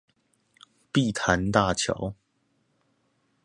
碧潭大橋